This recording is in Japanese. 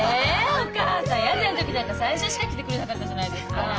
お義母さん屋台の時だって最初しか来てくれなかったじゃないですか。